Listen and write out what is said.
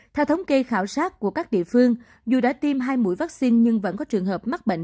theo thống kê khảo sát của các địa phương dù đã tiêm hai mũi vaccine nhưng vẫn có trường hợp mắc bệnh